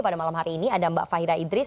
pada malam hari ini ada mbak fahira idris